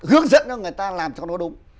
hướng dẫn cho người ta làm cho nó đúng